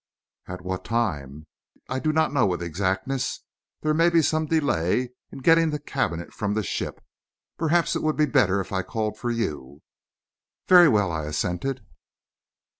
"At what time?" "I do not know with exactness. There may be some delay in getting the cabinet from the ship. Perhaps it would be better if I called for you?" "Very well," I assented.